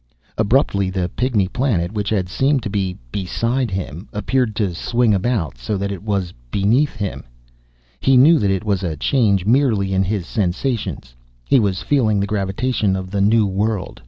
Abruptly the Pygmy Planet, which had seemed to be beside him, appeared to swing about, so that it was beneath him. He knew that it was a change merely in his sensations. He was feeling the gravitation of the new world.